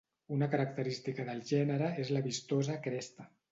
Una característica del gènere és la vistosa cresta.